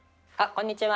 こんにちは。